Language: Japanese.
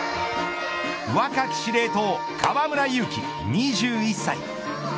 若き司令塔、河村勇輝、２１歳。